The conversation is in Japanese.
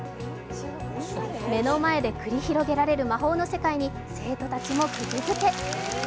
目の前で繰り広げられる魔法の世界に生徒たちもクギづけ。